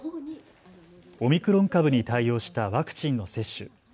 オミクロン株に対応したワクチンの接種。